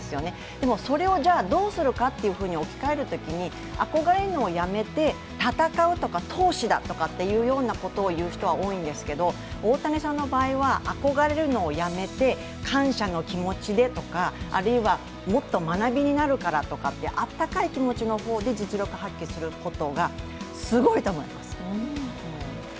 でも、それをどうするかというふうに置き換えるときに憧れるのをやめて、戦うとか闘志だとかっていうようなことを言う人は多いんですけど大谷さんの場合は、憧れるのをやめて感謝の気持ちでとか、あるいはもっと学びになるからとか、温かい気持ちの方で実力発揮することがすごいと思います。